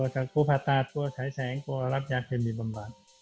กลัวผัดตาดกลัวใช้แสงกลัวรับยาเทมยี่บำรับ